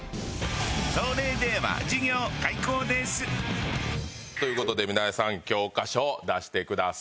それではという事で皆さん教科書を出してください。